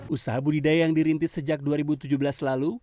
usaha budidaya yang dirintis sejak dua ribu tujuh belas lalu